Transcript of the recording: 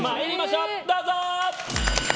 どうぞ！